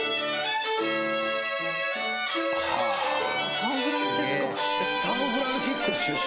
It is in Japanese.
サンフランシスコ出身。